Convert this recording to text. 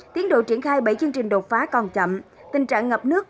tiến độ triển khai bảy chương trình đột phá còn chậm tình trạng ngập nước